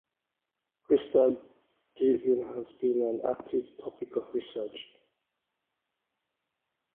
Crystal gazing has been an active topic of research.